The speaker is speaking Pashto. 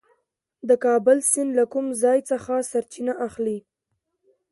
د کابل سیند له کوم ځای څخه سرچینه اخلي؟